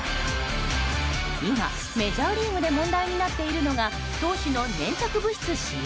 今、メジャーリーグで問題になっているのが投手の粘着物質使用。